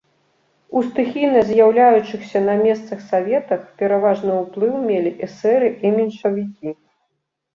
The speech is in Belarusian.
У стыхійна з'яўляючыхся на месцах саветах пераважны ўплыў мелі эсэры і меншавікі.